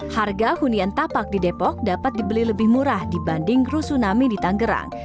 harga unian tapak di depok dapat dibeli lebih murah dibanding rusuh nami di tangerang